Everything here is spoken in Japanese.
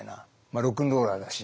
ロックンローラーだし。